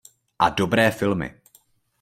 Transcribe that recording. A dobré filmy!